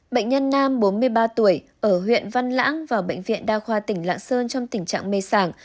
bệnh nhân nam bốn mươi ba tuổi ở huyện văn lãng và bệnh viện đa khoa tỉnh lạng sơn trong tình trạng mê sản